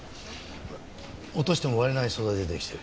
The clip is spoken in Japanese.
落としても割れない素材で出来てる。